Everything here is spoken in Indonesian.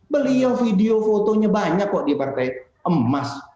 beliau video fotonya banyak kok di partai emas